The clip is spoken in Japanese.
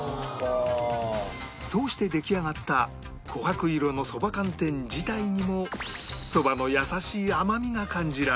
そうして出来上がった琥珀色の蕎麦寒天自体にも蕎麦の優しい甘みが感じられる